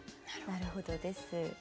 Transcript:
なるほどです。